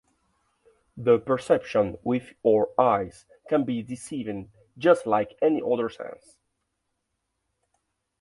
The perception with our eyes can be deceiving just like any other sense.